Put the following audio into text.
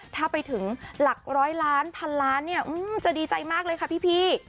ถ้าไปถึงหลักร้อยล้านพันล้านเนี่ยจะดีใจมากเลยค่ะพี่